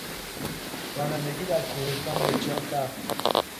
رانندگی در کوهستان بسیار سخت بود.